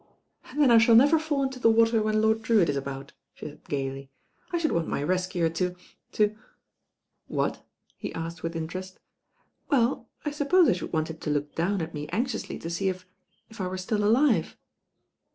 Then I shaU never fall into the water when Lord Drewitt is about," she said gaily. "IshoJS want my rescuer to— to " ''What?" he asked with interest. Well, I suppose I should want him to look down at me anxiously to see if— if I were stiU alive."